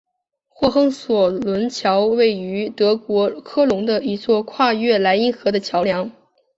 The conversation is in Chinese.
霍亨索伦桥是位于德国科隆的一座跨越莱茵河的桥梁。